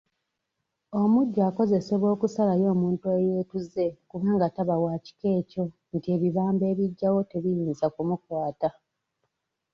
Omujjwa akozesebwa okusalayo omuntu eyeetuze kubanga taba wa kika ekyo nti ebibamba ebigyawo tebiyinza kumukwata.